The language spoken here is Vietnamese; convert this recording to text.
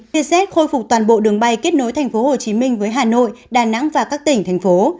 vietjet khôi phục toàn bộ đường bay kết nối tp hcm với hà nội đà nẵng và các tỉnh thành phố